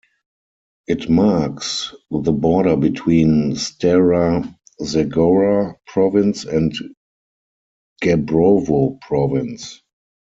It marks the border between Stara Zagora province and Gabrovo province.